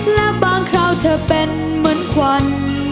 และบางคราวเธอเป็นเหมือนควัน